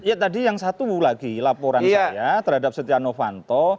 ya tadi yang satu lagi laporan saya terhadap setia novanto